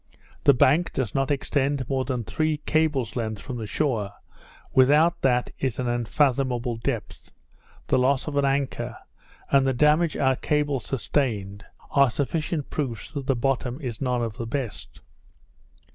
The bank does not extend more than three cables length from the shore; without that, is an unfathomable depth. The loss of an anchor, and the damage our cables sustained, are sufficient proofs that the bottom is none of the best.